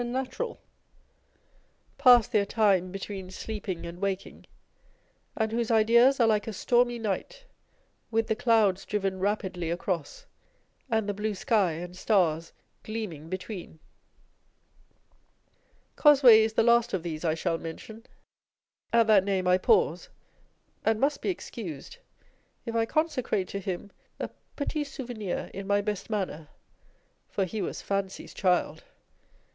natural, pass their time between sleeping and waking, and whose ideas are like a stormy night, with the clouds driven rapidly across, and the blue sky and stars gleaming between ! Cosway is the last of these I shall mention. At that name I pause, and must be excused if I consecrate to him a petit souvenir in my best manner ; for he was Fancy's child.